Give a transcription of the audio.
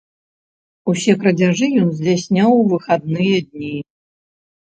Усе крадзяжы ён здзяйсняў у выхадныя дні.